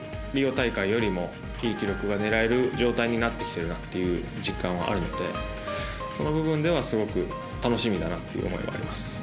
大会よりもいい記録が狙える状態になってきてるなという実感はあるのでその部分ではすごく楽しみだなという思いがあります。